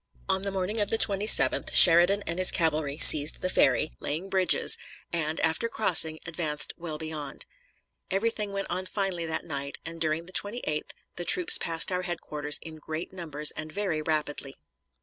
On the morning of the 27th Sheridan and his cavalry seized the ferry, laying bridges, and, after crossing, advancing well beyond. Everything went on finely that night and during the 28th, the troops passing our headquarters in great numbers and very rapidly.